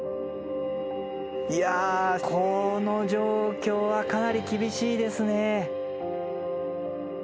いやこの状況はかなり厳しいですね。